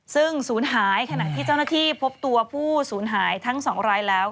ซึ่งศูนย์หายขณะที่เจ้าหน้าที่พบตัวผู้สูญหายทั้ง๒รายแล้ว